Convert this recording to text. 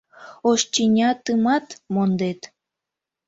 Ош тӱнятымат мондет.